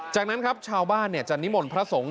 จากนั้นครับชาวบ้านจะนิมนต์พระสงฆ์